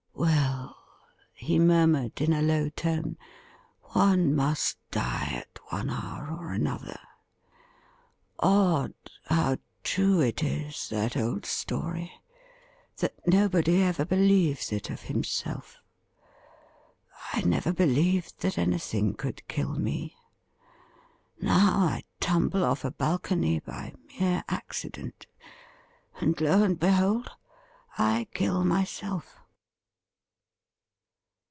' Well,' he murmured in a low tone, ' one must die at one hour or another. Odd how true it is, that old story, that nobody ever believes it of himself ! I never believed that anything could kill me ; now I tumble off a balcony, by mere accident, and, lo and behold, I kill myself.'